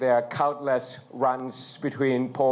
จากการกำหนดแข่งกัน